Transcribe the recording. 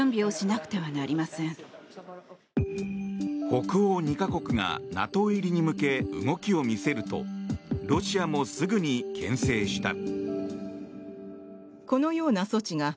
北欧２か国がＮＡＴＯ入りに向け動きを見せるとロシアもすぐに牽制した。